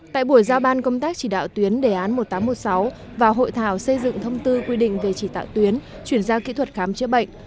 tại buổi giao ban công tác chỉ đạo tuyến đề án một nghìn tám trăm một mươi sáu và hội thảo xây dựng thông tư quy định về chỉ đạo tuyến chuyển giao kỹ thuật khám chữa bệnh